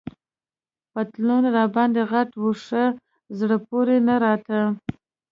پتلون راباندي غټ وو، ښه زړه پورې نه راته.